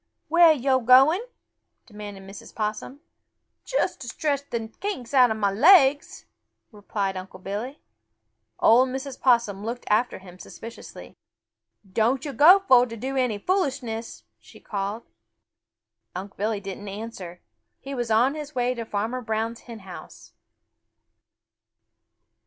"Where are yo' going?" demanded Mrs. Possum. "Just to stretch the kinks out of mah legs," replied Unc' Billy. Old Mrs. Possum looked after him suspiciously. "Don't yo' go fo' to do any foolishness!" she called. Unc' Billy didn't answer. He was on his way to Farmer Brown's hen house.